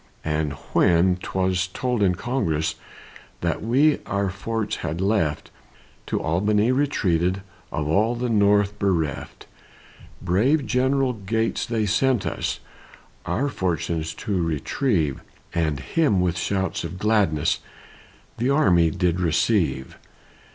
And when 'twas told in Congress That we our forts had left, To Albany retreated, Of all the North bereft, Brave General Gates they sent us, Our fortunes to retrieve, And him, with shouts of gladness, The army did receive.